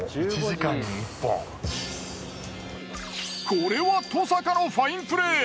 これは登坂のファインプレー。